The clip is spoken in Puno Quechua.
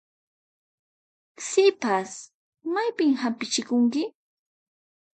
Sipas, maypin hampichikunki?